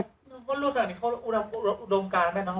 เขามีอุดมการไหมน้อง